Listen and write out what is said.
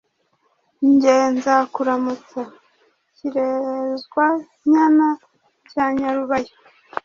Jye nzakuramutsa: Kirezwa-nyana cya Nyarubaya